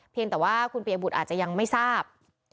เพียงแต่ว่าคุณปียบุตรอาจจะยังไม่ทราบ